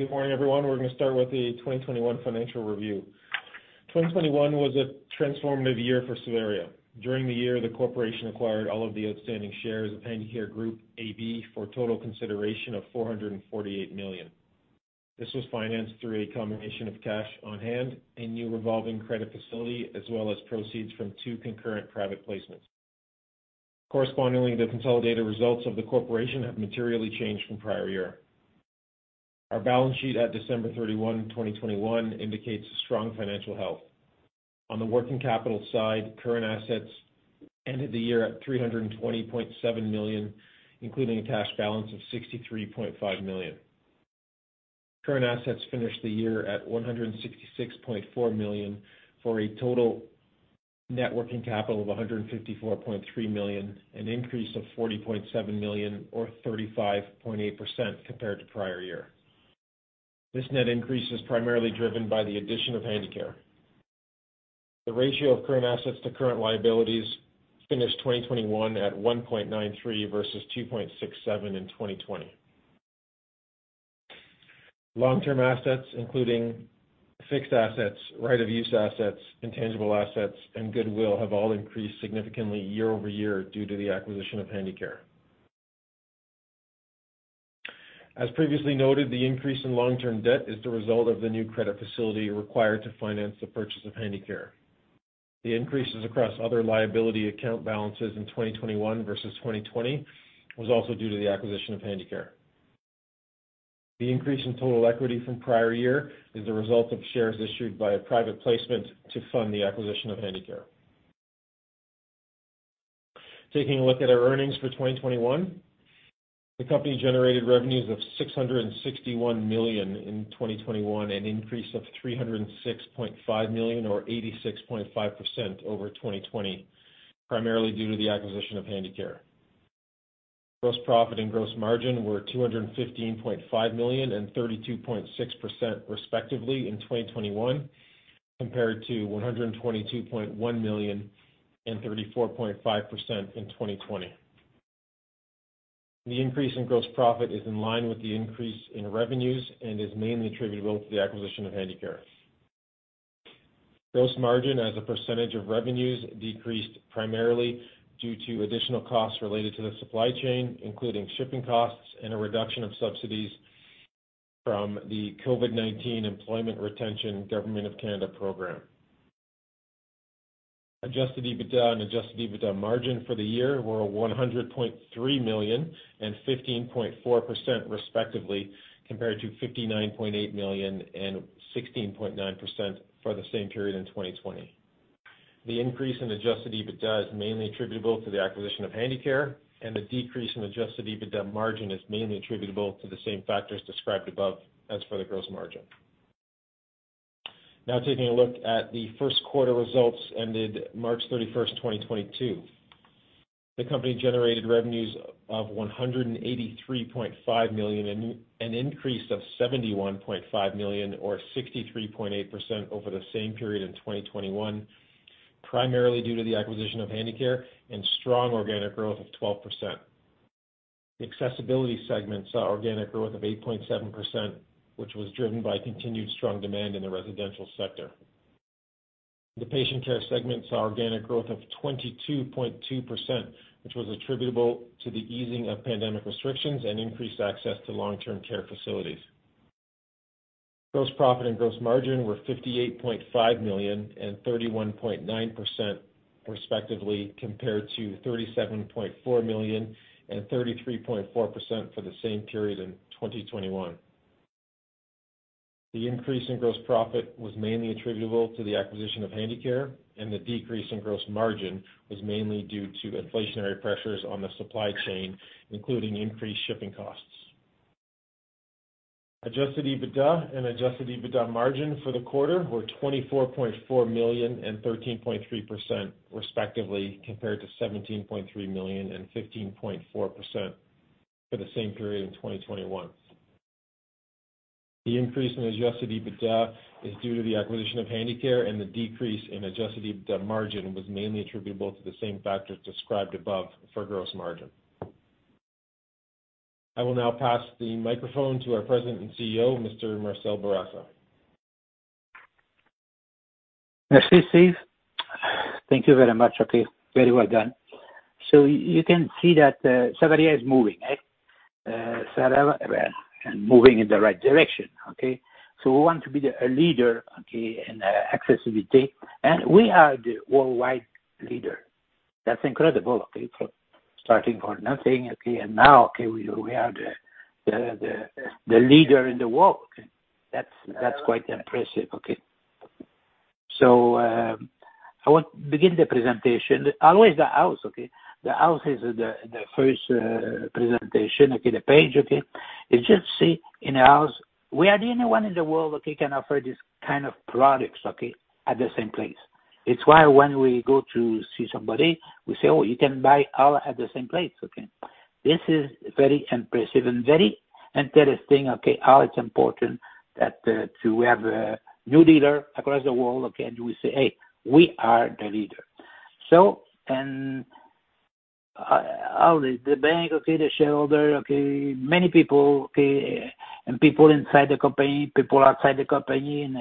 Good morning, everyone. We're gonna start with the 2021 Financial Review. 2021 was a transformative year for Savaria. During the year, the corporation acquired all of the outstanding shares of Handicare Group AB for a total consideration of 448 million. This was financed through a combination of cash on hand and new revolving credit facility, as well as proceeds from two concurrent private placements. Correspondingly, the consolidated results of the corporation have materially changed from prior year. Our balance sheet at December 31, 2021 indicates a strong financial health. On the working capital side, current assets ended the year at 320.7 million, including a cash balance of 63.5 million. Current assets finished the year at 166.4 million, for a total net working capital of 154.3 million, an increase of 40.7 million or 35.8% compared to prior year. This net increase is primarily driven by the addition of Handicare. The ratio of current assets to current liabilities finished 2021 at 1.93 versus 2.67 in 2020. Long-term assets, including fixed assets, right of use assets, intangible assets, and goodwill have all increased significantly year-over-year due to the acquisition of Handicare. As previously noted, the increase in long-term debt is the result of the new credit facility required to finance the purchase of Handicare. The increases across other liability account balances in 2021 versus 2020 was also due to the acquisition of Handicare. The increase in total equity from prior year is the result of shares issued by a private placement to fund the acquisition of Handicare. Taking a look at our earnings for 2021. The company generated revenues of CAD 661 million in 2021, an increase of CAD 306.5 million or 86.5% over 2020, primarily due to the acquisition of Handicare. Gross profit and gross margin were 215.5 million and 32.6% respectively in 2021 compared to 122.1 million and 34.5% in 2020. The increase in gross profit is in line with the increase in revenues and is mainly attributable to the acquisition of Handicare. Gross margin as a percentage of revenues decreased primarily due to additional costs related to the supply chain, including shipping costs and a reduction of subsidies from the Canada Emergency Wage Subsidy (CEWS). Adjusted EBITDA and adjusted EBITDA margin for the year were 100.3 million and 15.4% respectively, compared to 59.8 million and 16.9% for the same period in 2020. The increase in adjusted EBITDA is mainly attributable to the acquisition of Handicare, and the decrease in adjusted EBITDA margin is mainly attributable to the same factors described above as for the gross margin. Now taking a look at the first quarter results ended March 31, 2022. The company generated revenues of 183.5 million, an increase of 71.5 million or 63.8% over the same period in 2021, primarily due to the acquisition of Handicare and strong organic growth of 12%. The accessibility segment saw organic growth of 8.7%, which was driven by continued strong demand in the residential sector. The patient care segment saw organic growth of 22.2%, which was attributable to the easing of pandemic restrictions and increased access to long-term care facilities. Gross profit and gross margin were 58.5 million and 31.9% respectively, compared to 37.4 million and 33.4% for the same period in 2021. The increase in gross profit was mainly attributable to the acquisition of Handicare, and the decrease in gross margin was mainly due to inflationary pressures on the supply chain, including increased shipping costs. Adjusted EBITDA and Adjusted EBITDA margin for the quarter were 24.4 million and 13.3% respectively compared to 17.3 million and 15.4% for the same period in 2021. The increase in Adjusted EBITDA is due to the acquisition of Handicare and the decrease in Adjusted EBITDA margin was mainly attributable to the same factors described above for gross margin. I will now pass the microphone to our President and CEO, Mr. Marcel Bourassa. Merci, Steve. Thank you very much. Okay, very well done. You can see that Savaria is moving. Savaria is moving in the right direction, okay. We want to be the leader, okay, in accessibility, and we are the worldwide leader. That's incredible, okay. From starting from nothing, okay, and now, okay, we are the leader in the world, okay. That's quite impressive, okay. I want to begin the presentation. Always the house, okay. The house is the first presentation, okay, the page, okay. You just see in a house, we are the only one in the world, okay, can offer this kind of products, okay, at the same place. It's why when we go to see somebody, we say, "Oh, you can buy all at the same place," okay. This is very impressive and very interesting, okay. How it's important that, to have a new leader across the world, okay, and we say, "Hey, we are the leader." Always the bank, okay, the shareholder, okay, many people, okay, and people inside the company, people outside the company and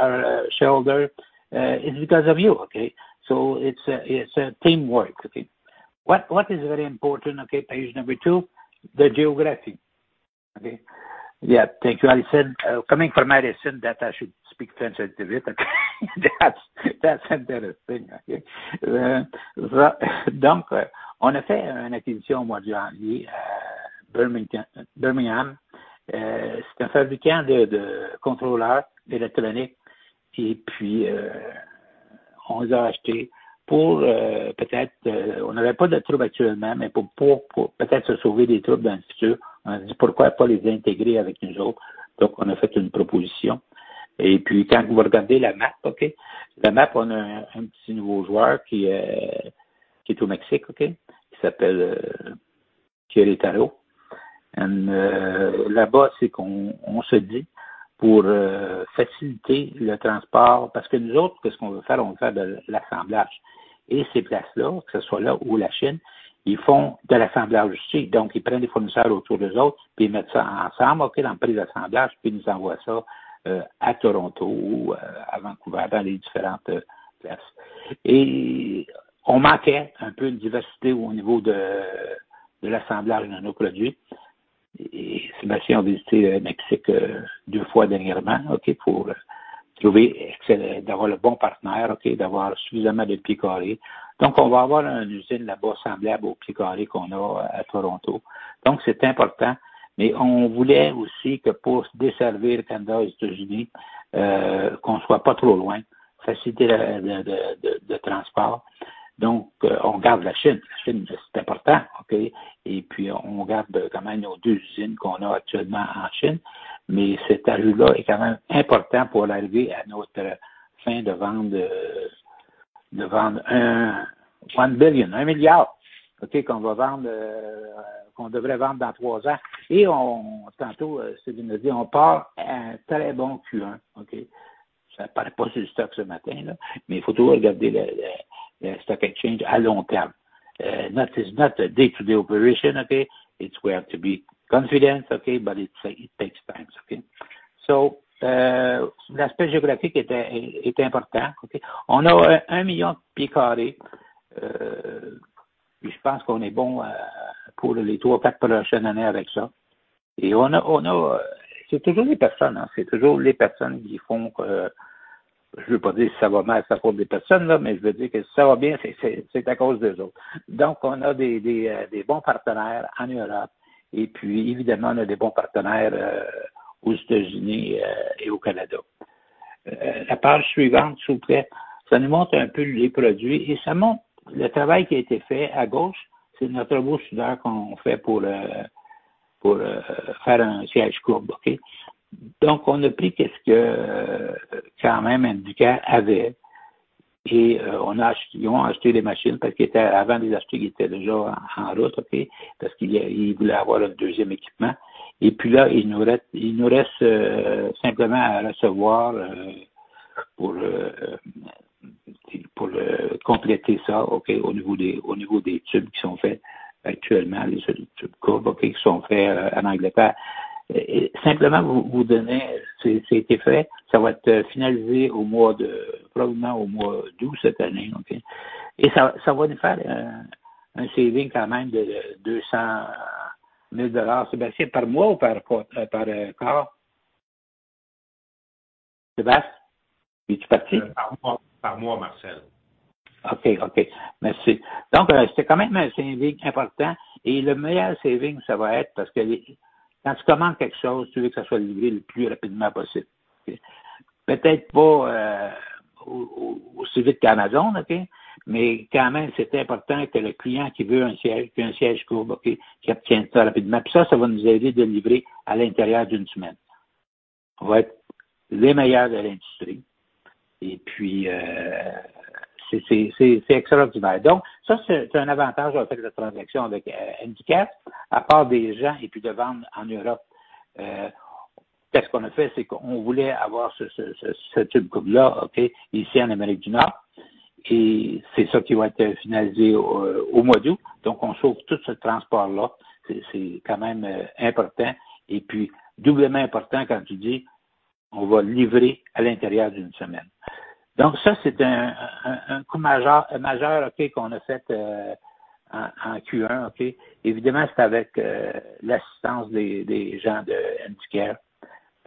our shareholder, it's because of you, okay. It's a teamwork, okay. What is very important, okay, page number 2, the geography, okay. Yeah. Thank you, Allison. Coming from Allison that I should speak French a little bit. That's interesting, okay. Donc, on a fait une acquisition au mois de janvier à Birmingham. C'est un fabricant de contrôleurs électroniques. Et puis, on les a achetés pour peut-être. On n'avait pas de troubles actuellement, mais pour peut-être se sauver des troubles dans le futur. On s'est dit pourquoi pas les intégrer avec nous autres. On a fait une proposition. Quand vous regardez la map, okay, la map, on a un petit nouveau joueur qui est au Mexique, okay, qui s'appelle Querétaro. Là-bas, c'est qu'on se dit pour faciliter le transport. Parce que nous autres, qu'est-ce qu'on veut faire? On veut faire de l'assemblage. Ces places-là, que ce soit là ou la Chine, ils font de l'assemblage aussi. Ils prennent des fournisseurs autour d'eux autres puis ils mettent ça ensemble, okay, dans le prix d'assemblage, puis ils nous envoient ça à Toronto ou à Vancouver, dans les différentes places. On manquait un peu de diversité au niveau de l'assemblage dans nos produits. Sébastien a visité le Mexique 2 fois dernièrement, okay, pour trouver d'avoir le bon partenaire, okay, d'avoir suffisamment de pieds carrés. On va avoir une usine là-bas semblable aux pieds carrés qu'on a à Toronto. C'est important. Mais on voulait aussi que pour desservir le Canada et les États-Unis, qu'on soit pas trop loin, faciliter le transport. On garde la Chine. La Chine, c'est important, ok. Et puis, on garde quand même nos 2 usines qu'on a actuellement en Chine. Mais cet achat-là est quand même important pour arriver à notre fin de vendre 1 billion, 1 milliard. Ok, qu'on va vendre, qu'on devrait vendre dans 3 ans. Tantôt, Sébastien a dit: « On part à un très bon Q1. » OK. Ça paraît pas sur le stock ce matin-là, mais il faut toujours regarder le Stock Exchange à long terme. That is not a day-to-day operation, okay. It's where to be confident, okay, but it takes time, okay. L'aspect géographique est important. On a 1 million sq ft. Je pense qu'on est bon pour les three, four prochaines années avec ça. C'est toujours les personnes qui font que. Je veux pas dire si ça va mal, c'est à cause des personnes, mais je veux dire que si ça va bien, c'est à cause d'eux autres. Donc, on a des bons partenaires en Europe. Et puis évidemment, on a des bons partenaires aux États-Unis et au Canada. La page suivante, s'il vous plaît. Ça nous montre un peu les produits et ça montre le travail qui a été fait. À gauche, c'est notre robot soudeur qu'on fait pour faire un siège courbe, OK. On a pris qu'est-ce que quand même Handicare avait. On a acheté, ils ont acheté des machines parce qu'avant de les acheter, ils étaient déjà en route, OK, parce qu'ils voulaient avoir un deuxième équipement. Puis là, il nous reste simplement à recevoir pour compléter ça, OK, au niveau des tubes qui sont faits actuellement, les tubes courbes, OK, qui sont faits en Angleterre. Simplement vous donner, ça a été fait. Ça va être finalisé au mois de, probablement au mois d'août cette année, OK. Ça va nous faire un saving quand même de 200,000 dollars. Sébastien, par mois ou par quart? Sébastien, es-tu parti? Par mois, Marcel. OK. Merci. C'est quand même un saving important et le meilleur saving, ça va être parce que quand tu commandes quelque chose, tu veux que ça soit livré le plus rapidement possible. Peut-être pas aussi vite qu'Amazon, OK, mais quand même, c'est important que le client qui veut un siège, puis un siège courbe, OK, qu'il obtienne ça rapidement. Ça va nous aider de livrer à l'intérieur d'une semaine. On va être les meilleurs de l'industrie. C'est extraordinaire. Ça, c'est un avantage avec la transaction avec Handicare à part des gens et puis de vendre en Europe. Qu'est-ce qu'on a fait? C'est qu'on voulait avoir ce tube courbe-là, OK, ici en Amérique du Nord, et c'est ça qui va être finalisé au mois d'août. On sauve tout ce transport-là. C'est quand même important et puis doublement important quand tu dis on va livrer à l'intérieur d'une semaine. Donc ça, c'est un coup majeur, OK, qu'on a fait en Q1. OK. Évidemment, c'est avec l'assistance des gens de Handicare.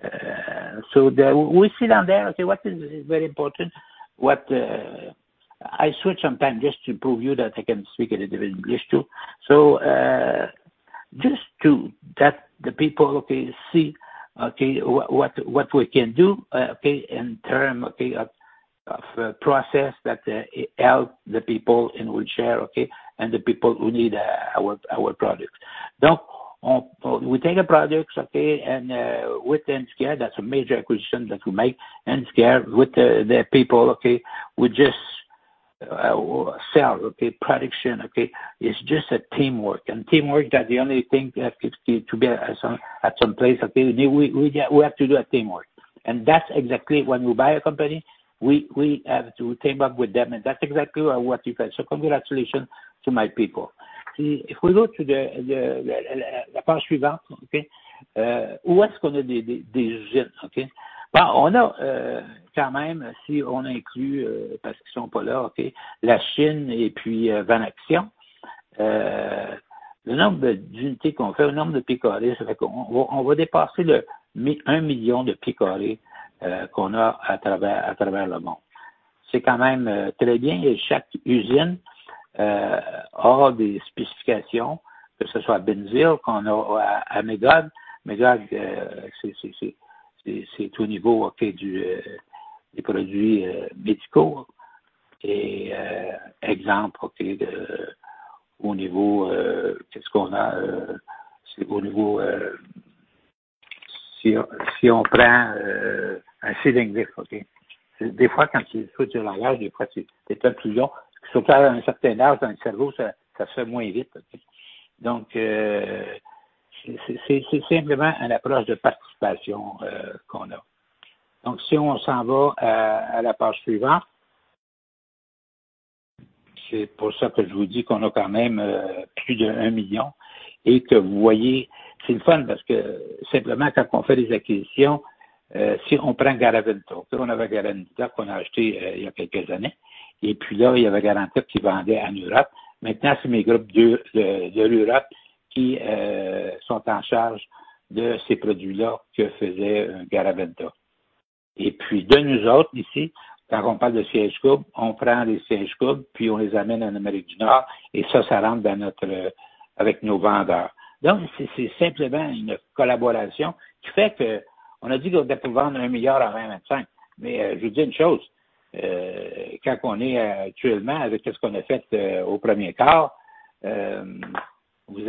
We see down there, what is very important. I switch sometimes just to prove to you that I can speak a little bit of English too. Just to let the people, okay, see, okay, what we can do, okay, in terms of process that help the people in wheelchair, okay, and the people who need our products. Donc, we take a product, okay, and with Handicare, that's a major acquisition that we make. Handicare with the people, okay, we just sell, okay, production, okay. It's just a teamwork. Teamwork, that's the only thing that to be at some place. Okay. We have to do a teamwork. That's exactly when you buy a company, we have to team up with them. That's exactly what you can. Congratulations to my people. If we go to the page suivante. OK, où est-ce qu'on a des usines? OK. Bon, on a quand même, si on inclut parce qu'ils sont pas là, OK, la Chine et puis Van Action, le nombre d'unités qu'on fait, le nombre de pieds carrés, ça fait qu'on va dépasser 1 million sq ft qu'on a à travers le monde. C'est quand même très bien. Chaque usine aura des spécifications, que ce soit Benzyl qu'on a à Magog. Magog, c'est au niveau, OK, des produits médicaux. Exemple OK, au niveau, qu'est-ce qu'on a? C'est au niveau, si on prend un. C'est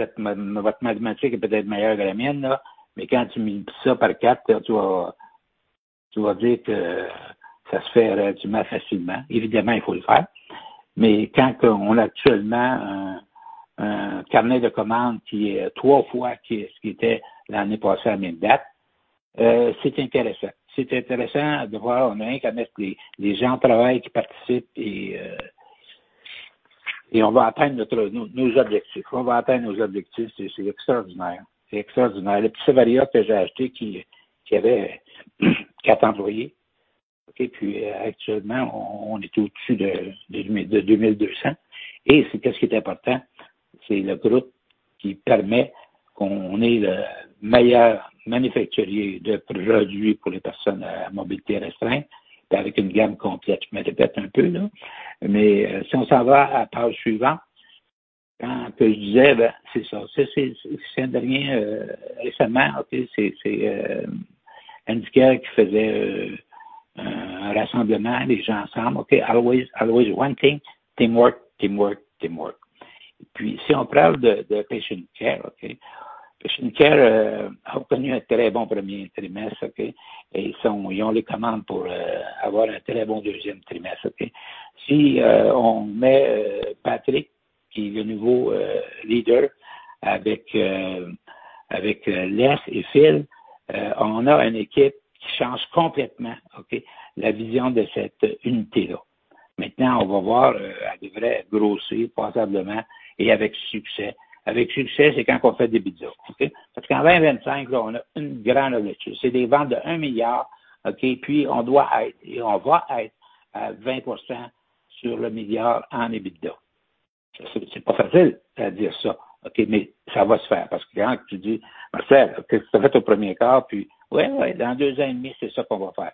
pas facile à dire ça. OK, mais ça va se faire parce que quand tu dis, Marcel, qu'est-ce que t'as fait au premier quart? Puis ouais, dans 2 ans et demi, c'est ça qu'on va faire.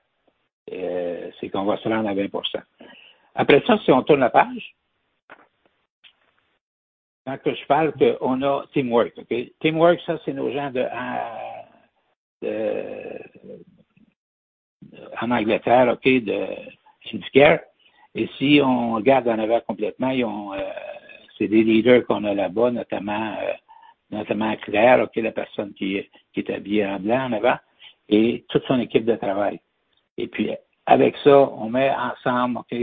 C'est qu'on va se rendre à 20%. Après ça, si on tourne la page. Quand je parle qu'on a teamwork. OK. Teamwork, ça, c'est nos gens en Angleterre. OK. Handicare. Si on regarde en avant complètement, ils ont, c'est des leaders qu'on a là-bas, notamment Claire, OK, la personne qui est habillée en blanc en avant et toute son équipe de travail. Puis avec ça, on met ensemble, OK,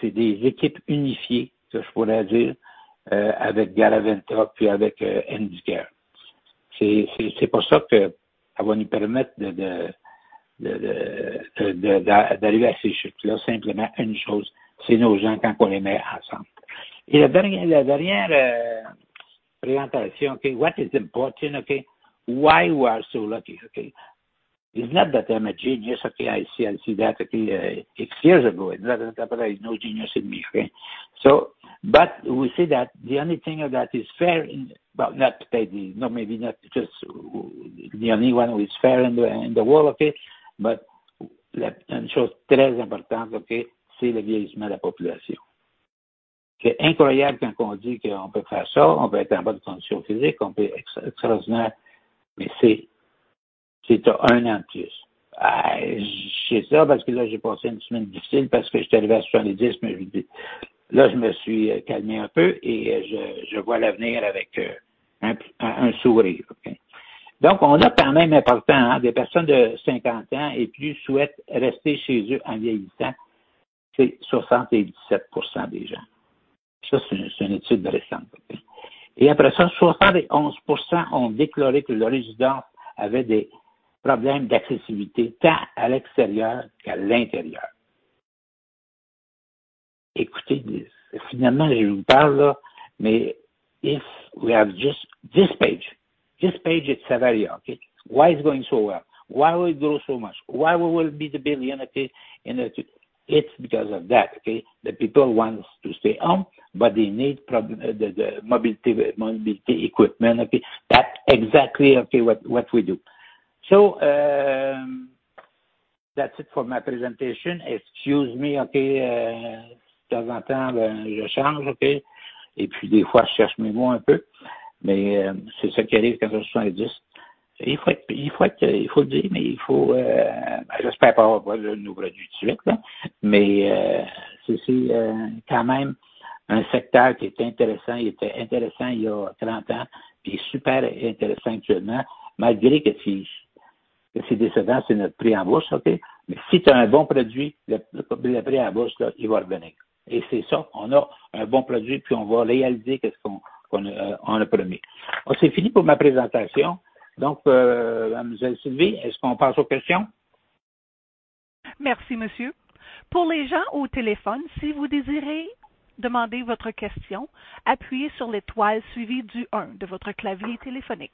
c'est des équipes unifiées, que je pourrais dire, avec Garaventa puis avec Handicare. C'est pour ça que ça va nous permettre de d'arriver à ces chiffres-là. Simplement une chose, c'est nos gens quand on les met ensemble. La dernière présentation. OK. What is important? OK. Why we are so lucky? OK. It's not that I'm a genius. OK. I see, I see that. OK. Six years ago. There is no genius in me. OK. We see that the only one who is fair in the world. OK. Une chose très importante. OK. C'est le vieillissement de la population. C'est incroyable quand on dit que on peut faire ça, on peut être en bonne condition physique, on peut être extraordinaire. Mais c'est si t'as un an de plus. Je dis ça parce que là, j'ai passé une semaine difficile parce que j'étais arrivé à 70. Mais là, je me suis calmé un peu et je vois l'avenir avec un sourire. OK. Donc, c'est quand même important, hein, des personnes de 50 ans et plus souhaitent rester chez eux en vieillissant. C'est 77% des gens. Ça, c'est une étude récente. Après ça, 71% ont déclaré que leur résidence avait des problèmes d'accessibilité tant à l'extérieur qu'à l'intérieur. Écoutez, finalement, je vous parle là, mais if we have just this page, it's Savaria. Why is going so well? Why we grow so much? Why we will be the billion? It's because of that. The people want to stay home, but they need mobility equipment. That's exactly what we do. That's it for my presentation. Excuse me. De temps en temps, je change. Et puis des fois, je cherche mes mots un peu, mais c'est ça qui arrive quand on a 70. Il faut dire, mais il faut. Je n'espère pas avoir un nouveau produit tout de suite. Mais c'est quand même un secteur qui était intéressant. Il était intéressant il y a 30 ans. Il est super intéressant actuellement, malgré que c'est décevant, c'est notre prix en bourse. Si tu as un bon produit, le prix en bourse, il va revenir. C'est ça, on a un bon produit, puis on va réaliser qu'est-ce qu'on a promis. C'est fini pour ma présentation. Mademoiselle Sylvie, est-ce qu'on passe aux questions? Merci monsieur. Pour les gens au téléphone, si vous désirez demander votre question, appuyez sur l'étoile suivie du un de votre clavier téléphonique.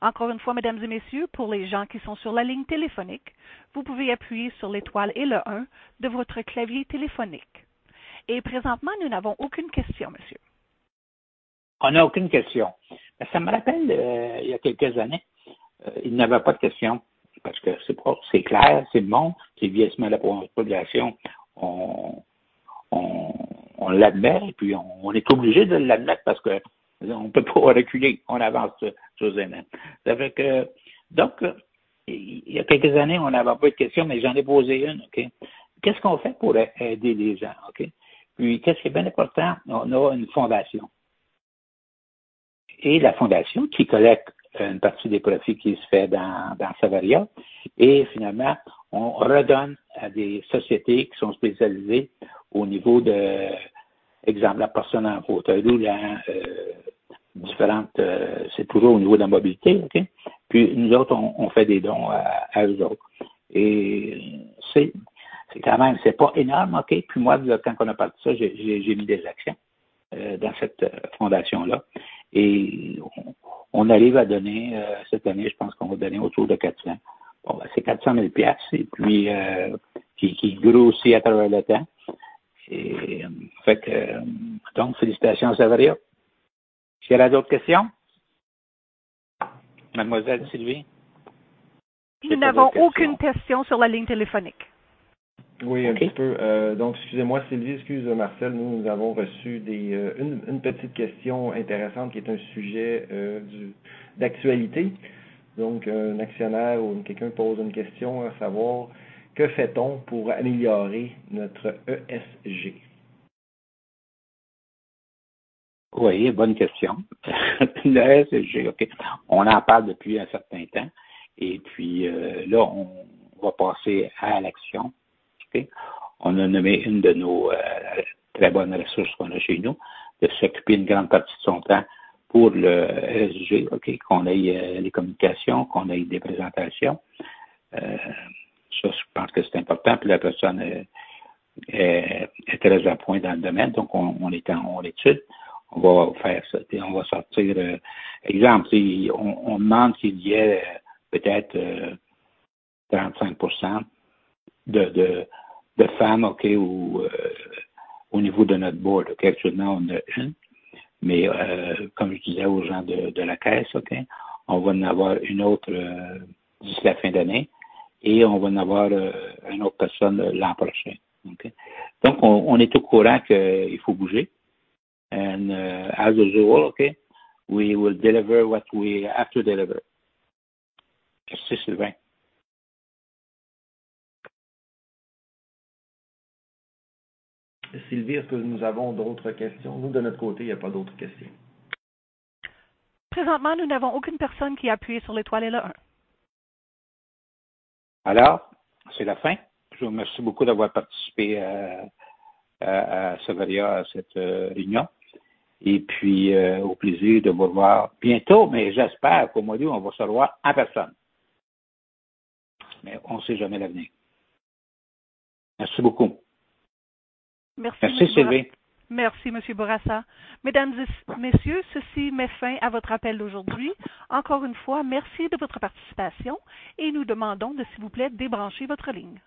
Encore une fois, mesdames et messieurs, pour les gens qui sont sur la ligne téléphonique, vous pouvez appuyer sur l'étoile et le un de votre clavier téléphonique. Présentement, nous n'avons aucune question, monsieur. On n'a aucune question. Ça me rappelle, il y a quelques années, il n'y avait pas de question parce que c'est clair, c'est bon, c'est vieillissement de la population. On l'admet, puis on est obligé de l'admettre parce qu'on ne peut pas reculer, on avance sur ce domaine. Donc, il y a quelques années, on n'avait pas de question, mais j'en ai posé une. Qu'est-ce qu'on fait pour aider les gens ? Qu'est-ce qui est bien important? On a une fondation. Et la fondation qui collecte une partie des profits qui se fait dans Savaria. Et finalement, on redonne à des sociétés qui sont spécialisées au niveau de, exemple, la personne en fauteuil ou différentes. C'est toujours au niveau de la mobilité. Puis nous autres, on fait des dons à eux autres. C'est quand même, ce n'est pas énorme. Moi, quand on a parlé de ça, j'ai mis des actions dans cette fondation-là et on arrive à donner. Cette année, je pense qu'on va donner autour de 400. C'est 400,000 pièces qui grossit à travers le temps. Félicitations à Savaria. Est-ce qu'il y aurait d'autres questions? Mademoiselle Sylvie. Nous n'avons aucune question sur la ligne téléphonique. Oui, un petit peu. Excusez-moi Sylvie, excuse Marcel. Nous avons reçu une petite question intéressante qui est un sujet d'actualité. Un actionnaire ou quelqu'un pose une question, à savoir, que fait-on pour améliorer notre ESG? Oui, bonne question. L'ESG, ok, on en parle depuis un certain temps. Et puis là, on va passer à l'action. On a nommé une de nos très bonnes ressources qu'on a chez nous, de s'occuper une grande partie de son temps pour l'ESG, qu'on ait les communications, qu'on ait des présentations. Ça, je pense que c'est important. La personne est très à point dans le domaine, donc on l'étudie. On va faire ça, on va sortir. Exemple, on demande qu'il y ait peut-être 35% de femmes au niveau de notre board. Actuellement, on a une. Mais comme je disais aux gens de la caisse, on va en avoir une autre d'ici la fin d'année et on va en avoir une autre personne l'an prochain. Donc, on est au courant qu'il faut bouger. As usual, we will deliver what we have to deliver. Merci Sylvie. Sylvie, est-ce que nous avons d'autres questions? Nous, de notre côté, il n'y a pas d'autres questions. Présentement, nous n'avons aucune personne qui a appuyé sur l'étoile et le un. C'est la fin. Je vous remercie beaucoup d'avoir participé à Savaria à cette réunion. Au plaisir de vous revoir bientôt, mais j'espère qu'au mois d'août, on va se revoir en personne. On ne sait jamais l'avenir. Merci beaucoup. Merci Sylvie. Merci Monsieur Bourassa. Mesdames et messieurs, ceci met fin à votre appel d'aujourd'hui. Encore une fois, merci de votre participation et nous demandons de, s'il vous plaît, débrancher votre ligne.